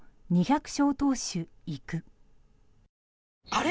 あれ？